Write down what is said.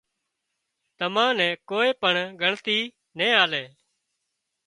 تمان نين ڪوئي پڻ ڳڻتي نين آلي